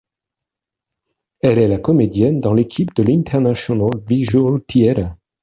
Elle est la comédienne dans l'équipe de l'International Visual Theatre.